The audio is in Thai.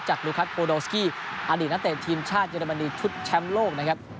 โดยได้ประตูจากลูกครับโพดอลสกี้อดีตนเตฤทีมชาติเยอรมนีทุศแชมป์โลกนะครับ